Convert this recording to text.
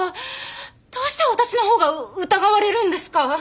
どうして私のほうが疑われるんですか？